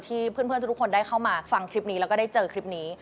เพื่อนทุกคนได้เข้ามาฟังคลิปนี้แล้วก็ได้เจอคลิปนี้